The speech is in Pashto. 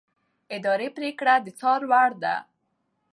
اداري پرېکړه د څار وړ ده.